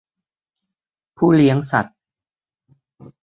ผู้เลี้ยงสัตว์